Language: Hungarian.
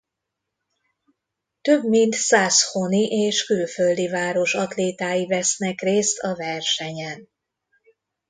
Több mint száz honi és külföldi város atlétái vesznek részt a versenyen.